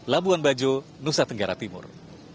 labuan bajo nusa tenggara timur